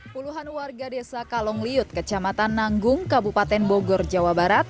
puluhan warga desa kalongliut kecamatan nanggung kabupaten bogor jawa barat